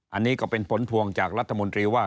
อันนี้ก็เป็นผลพวงจากรัฐมนตรีว่า